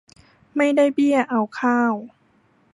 ไม่ได้เบี้ยเอาข้าว